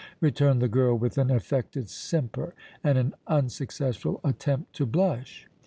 returned the girl, with an affected simper and an unsuccessful attempt to blush.